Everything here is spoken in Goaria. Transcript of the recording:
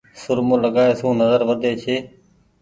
سرمو لگآئي سون نزر وڌي ڇي۔